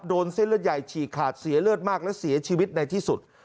เส้นเลือดใหญ่ฉีกขาดเสียเลือดมากและเสียชีวิตในที่สุด